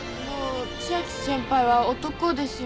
千秋先輩は男ですよ。